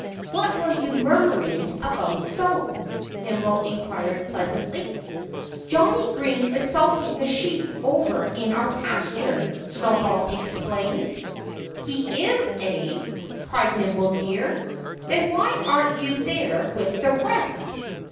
"What were you murmuring about salt?" Nimble inquired pleasantly. "Johnnie Green is salting the sheep over in our pasture," Snowball explained. "He is, eh?" cried Nimble Deer. "Then why aren't you there with the rest?"